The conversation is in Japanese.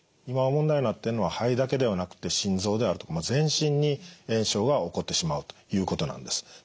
今問題になってるのは肺だけではなくて心臓であるとか全身に炎症が起こってしまうということなんです。